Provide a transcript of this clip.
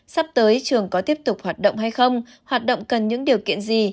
sắp tới trường có tiếp tục hoạt động hay không hoạt động cần những điều kiện gì